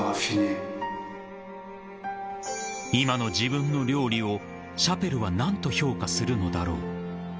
［今の自分の料理をシャペルは何と評価するのだろう］